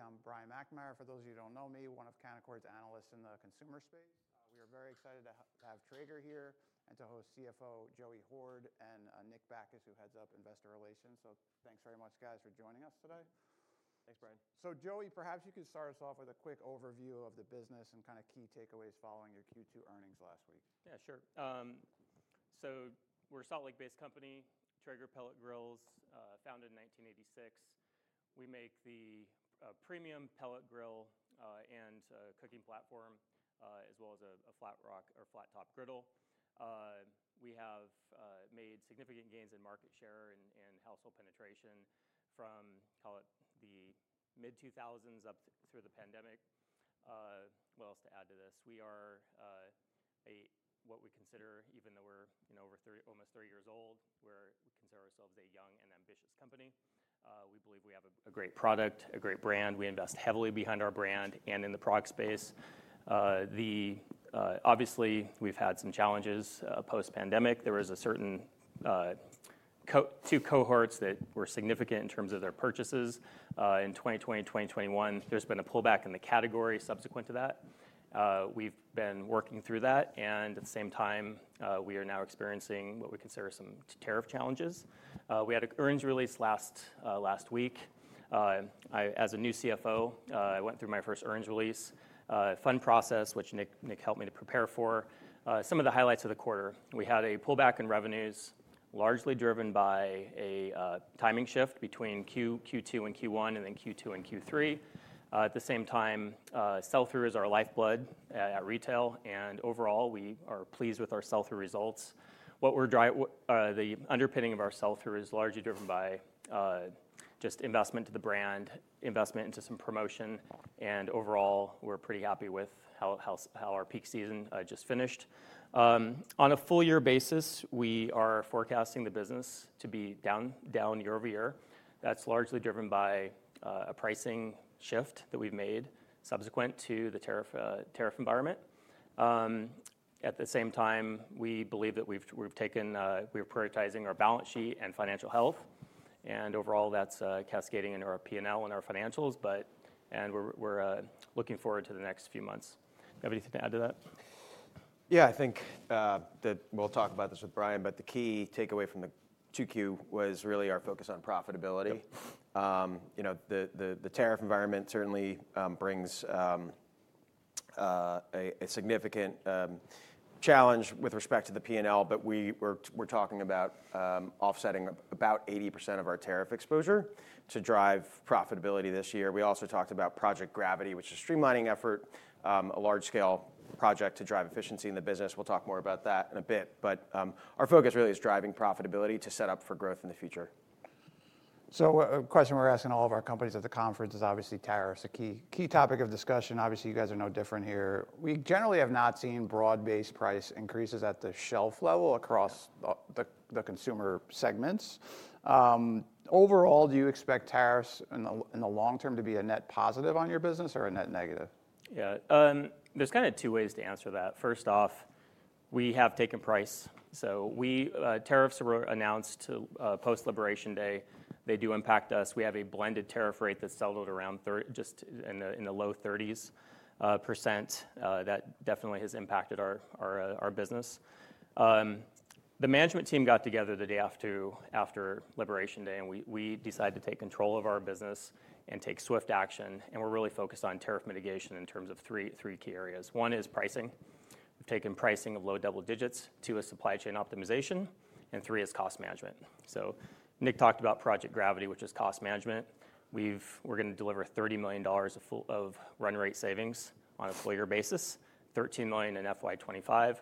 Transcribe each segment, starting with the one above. I'm Brian McNamara. For those of you who don't know me, one of Canaccord's analysts in the consumer space. We are very excited to have Traeger here and to host CFO Joey Hord and Nick Bacchus, who heads up Investor Relations. Thanks very much, guys, for joining us today. Thanks, Brian. Joey, perhaps you can start us off with a quick overview of the business and kind of key takeaways following your Q2 earnings last week. Yeah, sure. We're a Salt Lake City-based company, Traeger Pellet Grills, founded in 1986. We make the premium pellet grill and cooking platform, as well as a flat rock or flat top griddle. We have made significant gains in market share and household penetration from, call it, the mid-2000s up through the pandemic. What else to add to this? We are what we consider, even though we're over almost 30 years old, we consider ourselves a young and ambitious company. We believe we have a great product, a great brand. We invest heavily behind our brand and in the product space. Obviously, we've had some challenges post-pandemic. There were two cohorts that were significant in terms of their purchases. In 2020 and 2021, there's been a pullback in the category subsequent to that. We've been working through that, and at the same time, we are now experiencing what we consider some tariff challenges. We had an earnings release last week. As a new CFO, I went through my first earnings release, a fun process, which Nick helped me to prepare for. Some of the highlights of the quarter, we had a pullback in revenues, largely driven by a timing shift between Q2 and Q1, and then Q2 and Q3. At the same time, sell-through is our lifeblood at retail, and overall, we are pleased with our sell-through results. The underpinning of our sell-through is largely driven by just investment in the brand, investment into some promotion, and overall, we're pretty happy with how our peak season just finished. On a full-year basis, we are forecasting the business to be down year-over-year. That's largely driven by a pricing shift that we've made subsequent to the tariff environment. At the same time, we believe that we've taken, we're prioritizing our balance sheet and financial health, and overall, that's cascading into our P&L and our financials. We're looking forward to the next few months. Do you have anything to add to that? I think that we'll talk about this with Brian, but the key takeaway from the Q2 was really our focus on profitability. The tariff environment certainly brings a significant challenge with respect to the P&L, but we're talking about offsetting about 80% of our tariff exposure to drive profitability this year. We also talked about Project Gravity, which is a streamlining effort, a large-scale project to drive efficiency in the business. We'll talk more about that in a bit, but our focus really is driving profitability to set up for growth in the future. A question we're asking all of our companies at the conference is, obviously, tariffs are a key topic of discussion. You guys are no different here. We generally have not seen broad-based price increases at the shelf level across the consumer segments. Overall, do you expect tariffs in the long term to be a net positive on your business or a net negative? Yeah, there's kind of two ways to answer that. First off, we have taken price. Tariffs were announced post-Liberation Day. They do impact us. We have a blended tariff rate that's settled around just in the low 30% range. That definitely has impacted our business. The management team got together the day after Liberation Day, and we decided to take control of our business and take swift action. We're really focused on tariff mitigation in terms of three key areas. One is pricing. We've taken pricing of low double digits. Two is supply chain optimization, and three is cost management. Nick talked about Project Gravity, which is cost management. We're going to deliver $30 million of run-rate savings on a per-year basis, $13 million in 2025.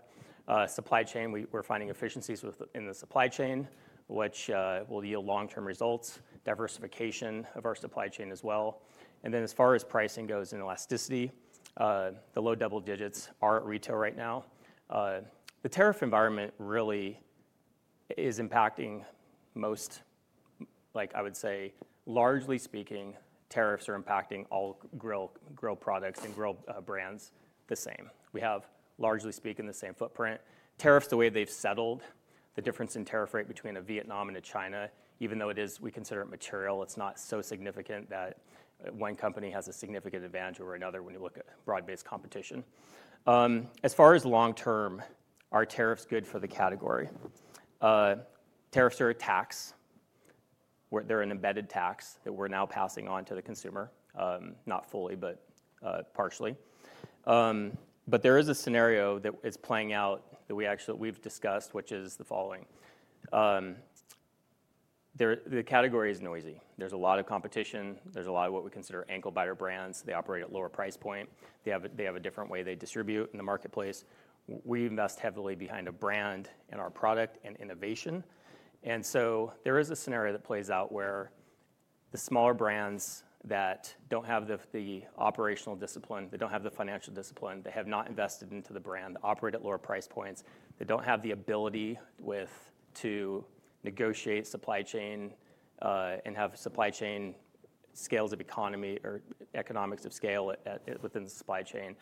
Supply chain, we're finding efficiencies in the supply chain, which will yield long-term results, diversification of our supply chain as well. As far as pricing goes and elasticity, the low double digits are at retail right now. The tariff environment really is impacting most, like I would say, largely speaking, tariffs are impacting all grill products and grill brands the same. We have largely speaking the same footprint. Tariffs, the way they've settled, the difference in tariff rate between Vietnam and China, even though we consider it material, it's not so significant that one company has a significant advantage over another when you look at broad-based competition. As far as long term, are tariffs good for the category? Tariffs are a tax. They're an embedded tax that we're now passing on to the consumer, not fully, but partially. There is a scenario that is playing out that we've discussed, which is the following. The category is noisy. There's a lot of competition. There's a lot of what we consider ankle-biter brands. They operate at lower price points. They have a different way they distribute in the marketplace. We invest heavily behind a brand and our product and innovation. There is a scenario that plays out where the smaller brands that don't have the operational discipline, they don't have the financial discipline, they have not invested into the brand, operate at lower price points. They don't have the ability to negotiate supply chain and have supply chain scales of economy or economics of scale within the supply chain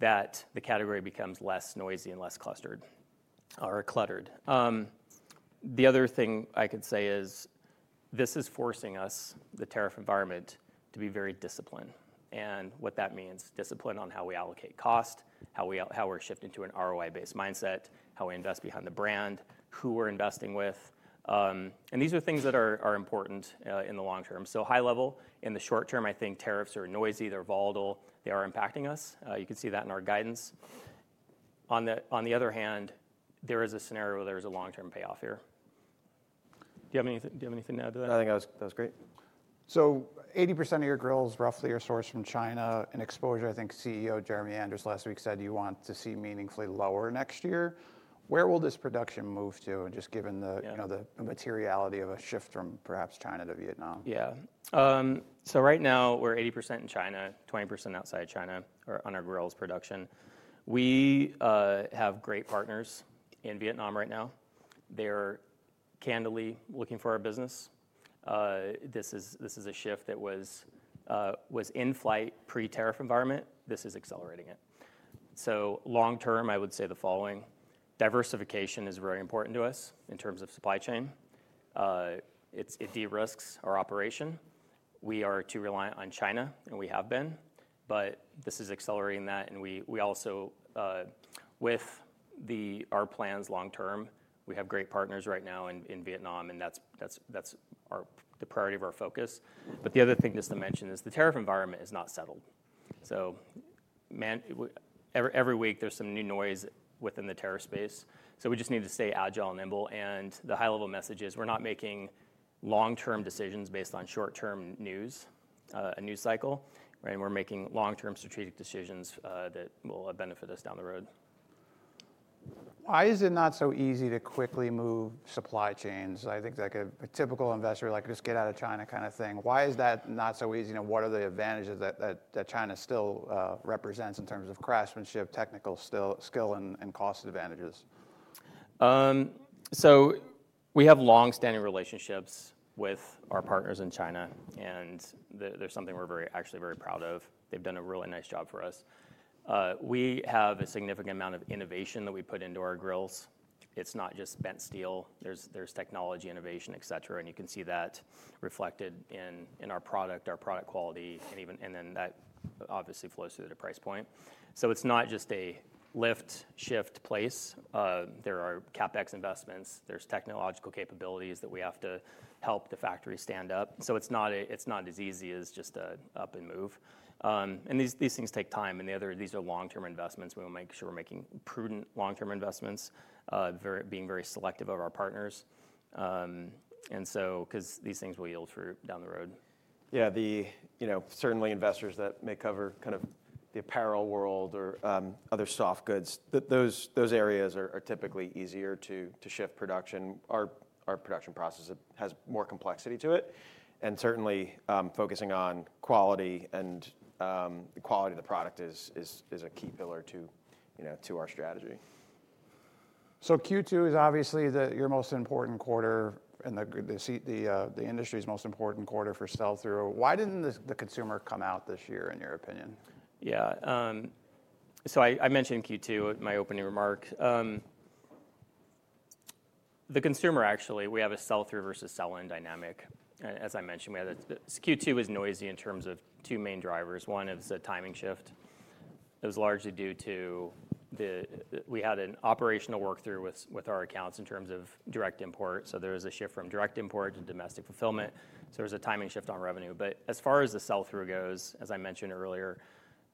that the category becomes less noisy and less clustered or cluttered. The other thing I could say is this is forcing us, the tariff environment, to be very disciplined. What that means is discipline on how we allocate cost, how we're shifting to an ROI-based mindset, how we invest behind the brand, who we're investing with. These are things that are important in the long term. At a high level, in the short term, I think tariffs are noisy. They're volatile. They are impacting us. You can see that in our guidance. On the other hand, there is a scenario where there is a long-term payoff here. Do you have anything to add to that? No, I think that was great. So 80% of your grills roughly are sourced from China. Exposure, I think CEO Jeremy Andrus last week said you want to see meaningfully lower next year. Where will this production move to, just given the materiality of a shift from perhaps China to Vietnam? Yeah, so right now we're 80% in China, 20% outside China on our grills production. We have great partners in Vietnam right now. They're candidly looking for our business. This is a shift that was in flight pre-tariff environment. This is accelerating it. Long term, I would say the following. Diversification is very important to us in terms of supply chain. It de-risks our operation. We are too reliant on China, and we have been. This is accelerating that. We also, with our plans long term, have great partners right now in Vietnam, and that's the priority of our focus. The other thing just to mention is the tariff environment is not settled. Every week there's some new noise within the tariff space. We just need to stay agile and nimble. The high-level message is we're not making long-term decisions based on short-term news, a news cycle. We're making long-term strategic decisions that will benefit us down the road. Why is it not so easy to quickly move supply chains? I think like a typical investor, like just get out of China kind of thing. Why is that not so easy? What are the advantages that China still represents in terms of craftsmanship, technical skill, and cost advantages? We have longstanding relationships with our partners in China, and that's something we're actually very proud of. They've done a really nice job for us. We have a significant amount of innovation that we put into our grills. It's not just bent steel. There's technology, innovation, et cetera, and you can see that reflected in our product, our product quality, and that obviously flows through the price point. It's not just a lift, shift, place. There are CapEx investments. There are technological capabilities that we have to help the factory stand up. It's not as easy as just up and move. These things take time, and these are long-term investments. We want to make sure we're making prudent long-term investments, being very selective of our partners, because these things will yield through down the road. Certainly, investors that may cover kind of the apparel world or other soft goods, those areas are typically easier to shift production. Our production process has more complexity to it. Certainly, focusing on quality and the quality of the product is a key pillar to our strategy. Q2 is obviously your most important quarter and the industry's most important quarter for sell-through. Why didn't the consumer come out this year, in your opinion? Yeah, I mentioned Q2 in my opening remark. The consumer actually, we have a sell-through versus sell-in dynamic. I mentioned Q2 was noisy in terms of two main drivers. One is a timing shift. It was largely due to we had an operational work-through with our accounts in terms of direct import. There was a shift from direct import to domestic fulfillment, so there was a timing shift on revenue. As far as the sell-through goes, I mentioned earlier,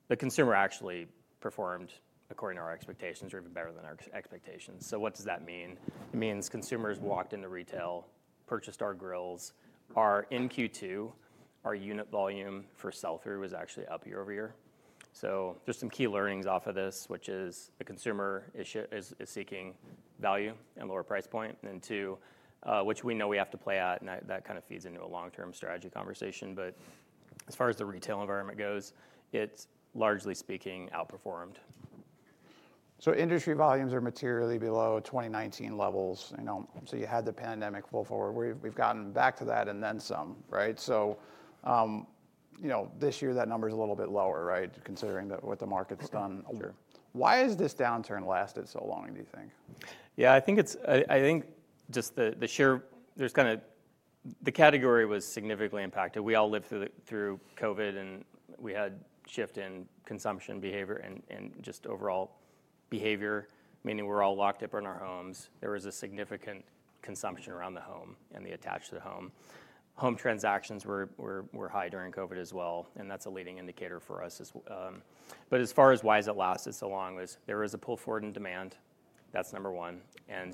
the consumer actually performed according to our expectations or even better than our expectations. What does that mean? It means consumers walked into retail, purchased our grills. In Q2, our unit volume for sell-through was actually up year-over-year. There are some key learnings off of this, which is a consumer is seeking value and lower price point. Two, which we know we have to play at, and that kind of feeds into a long-term strategy conversation. As far as the retail environment goes, it's largely speaking outperformed. Industry volumes are materially below 2019 levels. You had the pandemic pull forward. We've gotten back to that and then some, right? This year that number is a little bit lower, right, considering what the market's done? Sure. Why has this downturn lasted so long, do you think? Yeah, I think just the share, there's kind of the category was significantly impacted. We all lived through COVID, and we had a shift in consumption behavior and just overall behavior, meaning we're all locked up in our homes. There was a significant consumption around the home and the attached to the home. Home transactions were high during COVID as well, and that's a leading indicator for us. As far as why has it lasted so long, there was a pull forward in demand. That's number one.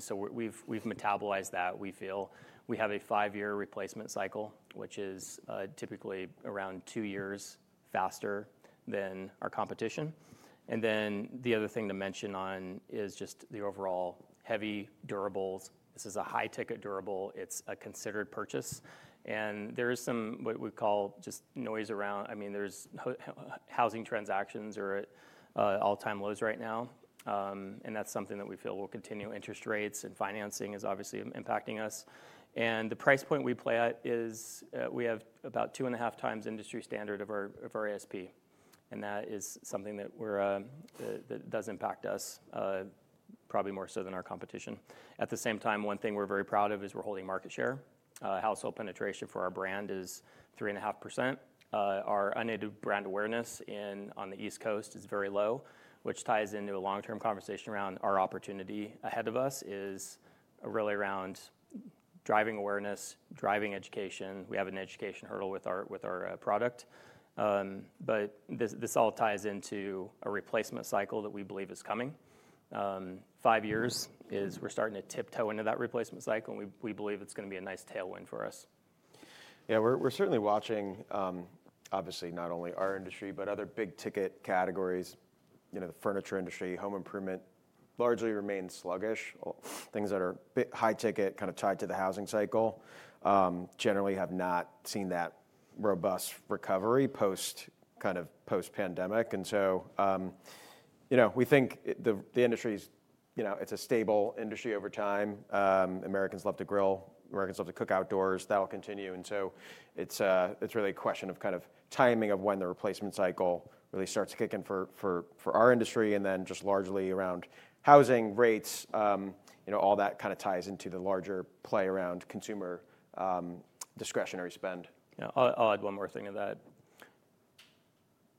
We've metabolized that. We feel we have a five-year replacement cycle, which is typically around two years faster than our competition. The other thing to mention is just the overall heavy durables. This is a high-ticket durable. It's a considered purchase. There is some, what we call, just noise around. I mean, housing transactions are at all-time lows right now. That's something that we feel will continue. Interest rates and financing are obviously impacting us. The price point we play at is we have about 2.5x industry standard of our ASP, and that is something that does impact us, probably more so than our competition. At the same time, one thing we're very proud of is we're holding market share. Household penetration for our brand is 3.5%. Our unedited brand awareness on the East Coast is very low, which ties into a long-term conversation around our opportunity ahead of us is really around driving awareness, driving education. We have an education hurdle with our product. This all ties into a replacement cycle that we believe is coming. Five years is, we're starting to tiptoe into that replacement cycle, and we believe it's going to be a nice tailwind for us. Yeah, we're certainly watching, obviously, not only our industry but other big-ticket categories. You know, the furniture industry and home improvement largely remain sluggish. Things that are high-ticket, kind of tied to the housing cycle, generally have not seen that robust recovery post-pandemic. We think the industry is a stable industry over time. Americans love to grill. Americans love to cook outdoors. That will continue. It's really a question of timing of when the replacement cycle really starts kicking for our industry. Then just largely around housing rates, all that kind of ties into the larger play around consumer discretionary spend. Yeah, I'll add one more thing to that.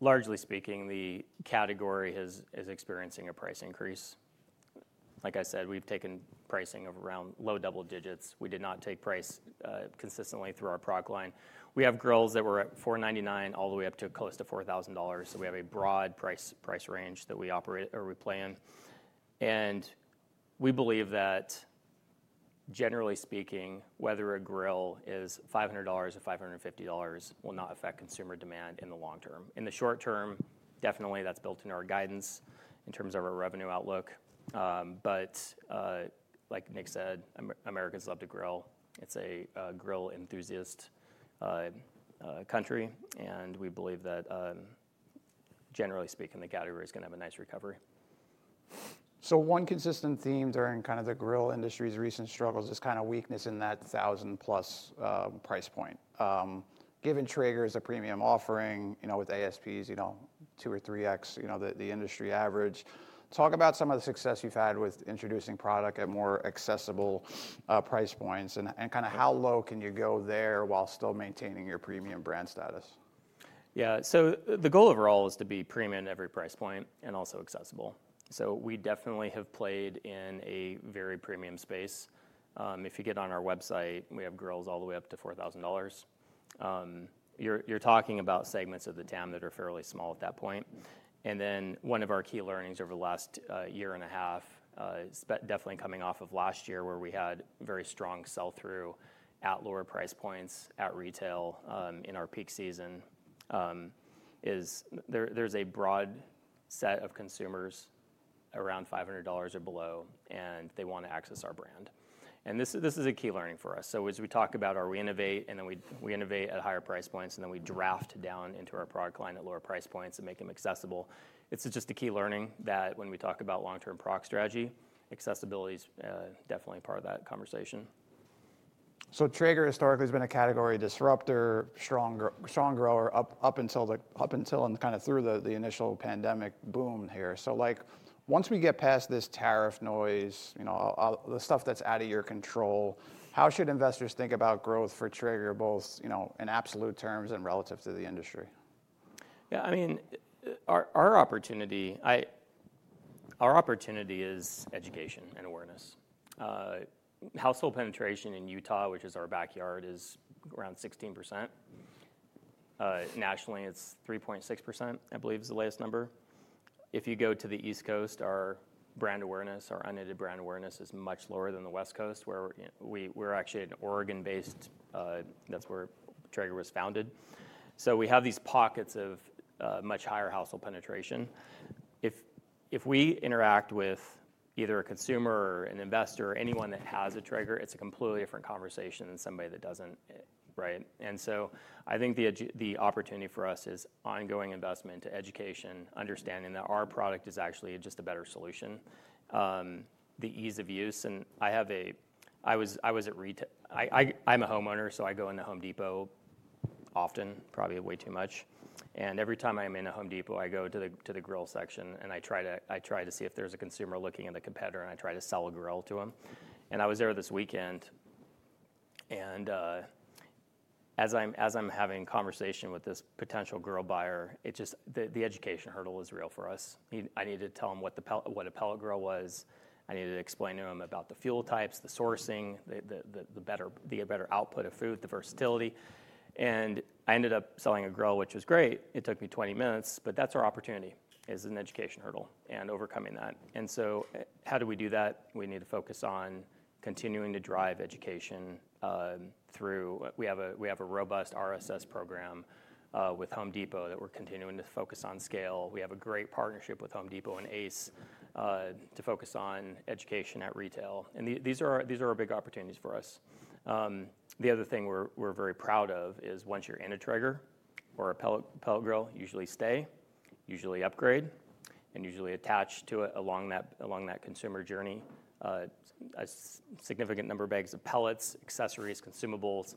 Largely speaking, the category is experiencing a price increase. Like I said, we've taken pricing of around low double digits. We did not take price consistently through our product line. We have grills that were at $499 all the way up to close to $4,000. We have a broad price range that we operate or we play in. We believe that, generally speaking, whether a grill is $500 or $550 will not affect consumer demand in the long term. In the short term, that's built into our guidance in terms of our revenue outlook. Like Nick said, Americans love to grill. It's a grill enthusiast country. We believe that, generally speaking, the category is going to have a nice recovery. One consistent theme during the grill industry's recent struggles is weakness in that $1,000+ price point. Given Traeger's premium offering, with ASPs two or three X the industry average, talk about some of the success you've had with introducing product at more accessible price points and how low can you go there while still maintaining your premium brand status? Yeah, the goal overall is to be premium at every price point and also accessible. We definitely have played in a very premium space. If you get on our website, we have grills all the way up to $4,000. You're talking about segments of the dam that are fairly small at that point. One of our key learnings over the last year and a half, definitely coming off of last year where we had very strong sell-through at lower price points at retail in our peak season, is there's a broad set of consumers around $500 or below, and they want to access our brand. This is a key learning for us. As we talk about, we innovate, and then we innovate at higher price points, and then we draft down into our product line at lower price points and make them accessible. It's just a key learning that when we talk about long-term product strategy, accessibility is definitely part of that conversation. Traeger historically has been a category disruptor, strong grower up until and kind of through the initial pandemic boom here. Once we get past this tariff noise, the stuff that's out of your control, how should investors think about growth for Traeger, both in absolute terms and relative to the industry? Yeah, I mean, our opportunity is education and awareness. Household penetration in Utah, which is our backyard, is around 16%. Nationally, it's 3.6%, I believe is the latest number. If you go to the East Coast, our brand awareness, our unedited brand awareness is much lower than the West Coast, where we're actually an Oregon-based, that's where Traeger was founded. We have these pockets of much higher household penetration. If we interact with either a consumer or an investor or anyone that has a Traeger, it's a completely different conversation than somebody that doesn't, right? I think the opportunity for us is ongoing investment, education, understanding that our product is actually just a better solution, the ease of use. I was at retail, I'm a homeowner, so I go into Home Depot often, probably way too much. Every time I'm in a Home Depot, I go to the grill section, and I try to see if there's a consumer looking at the competitor, and I try to sell a grill to them. I was there this weekend. As I'm having a conversation with this potential grill buyer, the education hurdle is real for us. I needed to tell him what a pellet grill was. I needed to explain to him about the fuel types, the sourcing, the better output of food, the versatility. I ended up selling a grill, which was great. It took me 20 minutes, but that's our opportunity, an education hurdle and overcoming that. How do we do that? We need to focus on continuing to drive education through, we have a robust RSS program with Home Depot that we're continuing to focus on scale. We have a great partnership with Home Depot and ACE to focus on education at retail. These are big opportunities for us. The other thing we're very proud of is once you're in a Traeger or a pellet grill, you usually stay, usually upgrade, and usually attach to it along that consumer journey. A significant number of bags of pellets, accessories, consumables,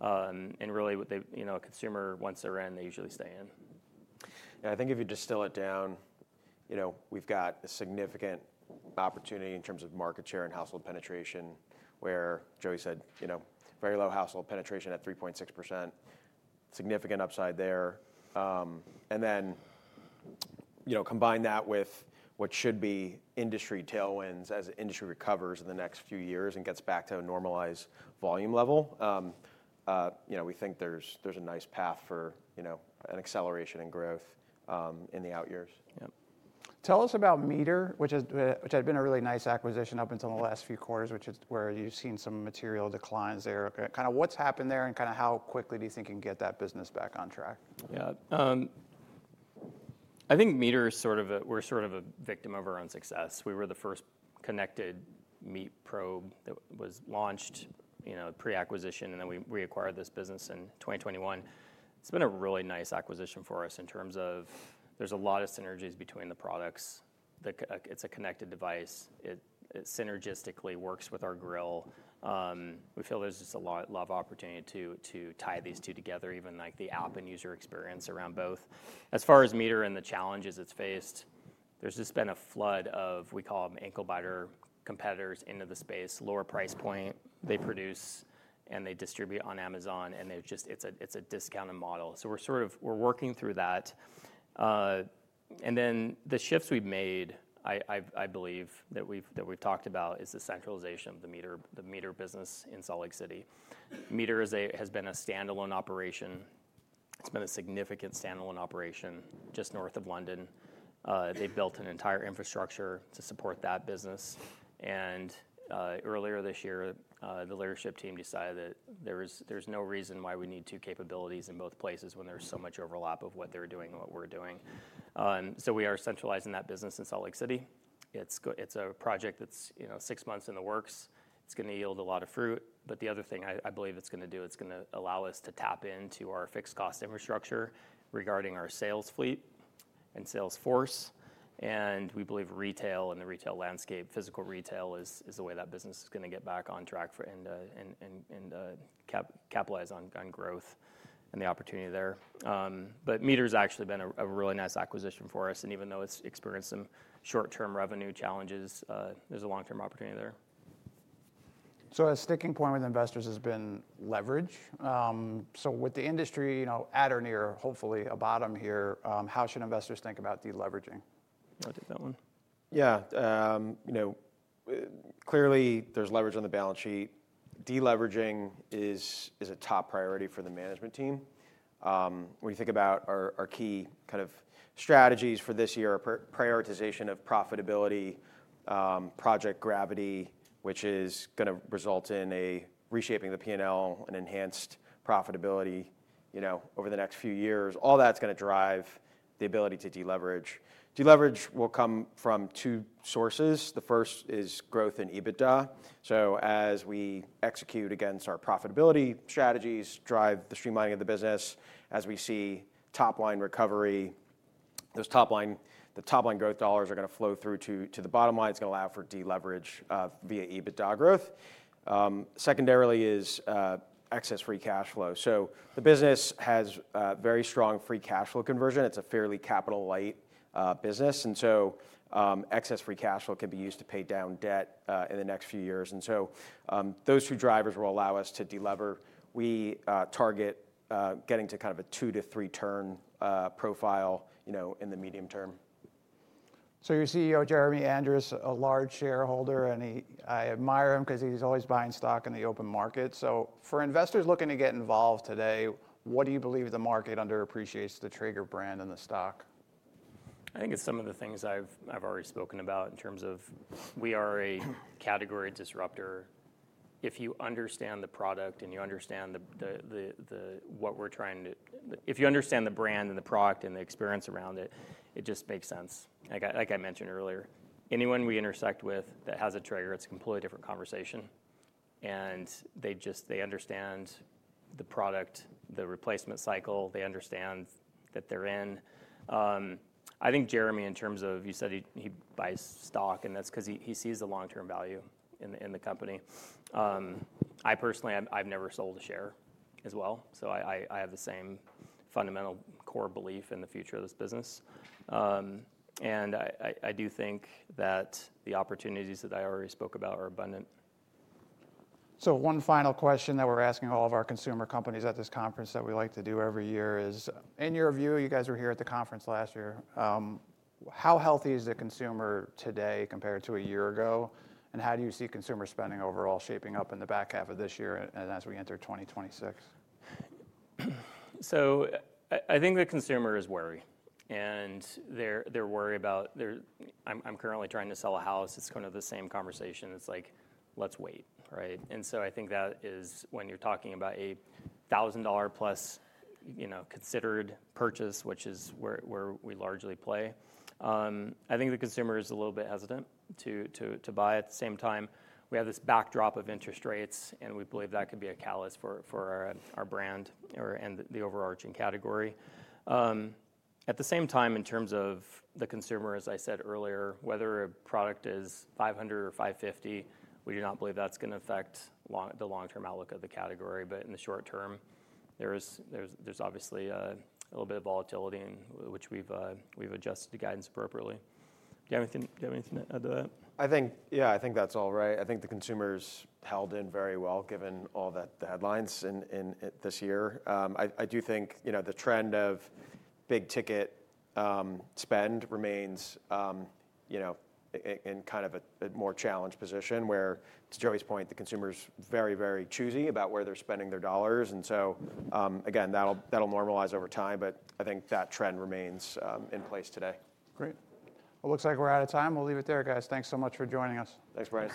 and really what they, you know, a consumer wants to rent, they usually stay in. I think if you distill it down, we've got a significant opportunity in terms of market share and household penetration, where Joey said very low household penetration at 3.6%, significant upside there. You combine that with what should be industry tailwinds as the industry recovers in the next few years and gets back to a normalized volume level. We think there's a nice path for an acceleration in growth in the out years. Yep. Tell us about MEATER, which has been a really nice acquisition up until the last few quarters, which is where you've seen some material declines there. What's happened there and how quickly do you think you can get that business back on track? Yeah, I think MEATER is sort of a, we're sort of a victim of our own success. We were the first connected MEATER probe that was launched, you know, pre-acquisition, and then we acquired this business in 2021. It's been a really nice acquisition for us in terms of there's a lot of synergies between the products. It's a connected device. It synergistically works with our grill. We feel there's just a lot of opportunity to tie these two together, even like the app and user experience around both. As far as MEATER and the challenges it's faced, there's just been a flood of, we call them ankle-biter brands into the space, lower price point. They produce and they distribute on Amazon, and it's a discounted model. We're working through that. The shifts we've made, I believe that we've talked about, is the centralization of the MEATER business in Salt Lake City. MEATER has been a standalone operation. It's been a significant standalone operation just north of London. They built an entire infrastructure to support that business. Earlier this year, the leadership team decided that there's no reason why we need two capabilities in both places when there's so much overlap of what they're doing and what we're doing. We are centralizing that business in Salt Lake City. It's a project that's, you know, six months in the works. It's going to yield a lot of fruit. The other thing I believe it's going to do, it's going to allow us to tap into our fixed cost infrastructure regarding our sales fleet and sales force. We believe retail and the retail landscape, physical retail, is the way that business is going to get back on track and capitalize on growth and the opportunity there. MEATER's actually been a really nice acquisition for us. Even though it's experienced some short-term revenue challenges, there's a long-term opportunity there. A sticking point with investors has been leverage. With the industry, you know, at or near, hopefully a bottom here, how should investors think about deleveraging? You want to take that one? Yeah, you know, clearly there's leverage on the balance sheet. Deleveraging is a top priority for the management team. When you think about our key kind of strategies for this year, prioritization of profitability, Project Gravity, which is going to result in reshaping the P&L and enhanced profitability over the next few years, all that's going to drive the ability to deleverage. Deleverage will come from two sources. The first is growth in EBITDA. As we execute against our profitability strategies, drive the streamlining of the business, as we see top line recovery, those top line growth dollars are going to flow through to the bottom line. It's going to allow for deleverage via EBITDA growth. Secondarily is excess free cash flow. The business has very strong free cash flow conversion. It's a fairly capital light business, and excess free cash flow can be used to pay down debt in the next few years. Those two drivers will allow us to delever. We target getting to kind of a two to three turn profile in the medium term. Your CEO, Jeremy Andrus, a large shareholder, and I admire him because he's always buying stock in the open market. For investors looking to get involved today, what do you believe the market underappreciates about the Traeger brand and the stock? I think it's some of the things I've already spoken about in terms of we are a category disruptor. If you understand the product and you understand what we're trying to, if you understand the brand and the product and the experience around it, it just makes sense. Like I mentioned earlier, anyone we intersect with that has a Traeger, it's a completely different conversation. They just, they understand the product, the replacement cycle. They understand that they're in. I think Jeremy, in terms of, you said he buys stock, that's because he sees the long-term value in the company. I personally, I've never sold a share as well. I have the same fundamental core belief in the future of this business. I do think that the opportunities that I already spoke about are abundant. One final question that we're asking all of our consumer companies at this conference that we like to do every year is, in your view, you guys were here at the conference last year, how healthy is the consumer today compared to a year ago? How do you see consumer spending overall shaping up in the back half of this year and as we enter 2026? I think the consumer is worried. They're worried about, I'm currently trying to sell a house. It's kind of the same conversation. It's like, let's wait, right? I think that is when you're talking about a $1,000+, you know, considered purchase, which is where we largely play. I think the consumer is a little bit hesitant to buy. At the same time, we have this backdrop of interest rates, and we believe that could be a catalyst for our brand and the overarching category. At the same time, in terms of the consumer, as I said earlier, whether a product is $500 or $550, we do not believe that's going to affect the long-term outlook of the category. In the short term, there's obviously a little bit of volatility, which we've adjusted to guidance appropriately. Do you have anything to add to that? I think that's all right. I think the consumer's held in very well, given all the headlines this year. I do think the trend of big-ticket spend remains in kind of a more challenged position, where to Joey's point, the consumer's very, very choosy about where they're spending their dollars. That'll normalize over time, but I think that trend remains in place today. Great. It looks like we're out of time. We'll leave it there, guys. Thanks so much for joining us. Thanks, Brian.